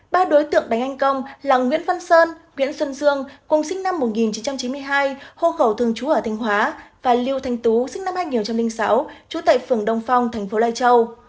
ba đối tượng đánh anh công là nguyễn văn sơn nguyễn xuân dương cùng sinh năm một nghìn chín trăm chín mươi hai hộ khẩu thường trú ở thanh hóa và liêu thanh tú sinh năm hai nghìn sáu trú tại phường đông phong thành phố lai châu